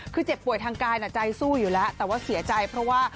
คือเจ็บป่วยทางกายใจสู้อยู่แล้วแต่ว่าเสียใจเพราะว่า